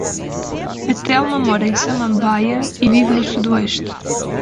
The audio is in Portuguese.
A Telma mora em Samambaia e vive no Sudoeste.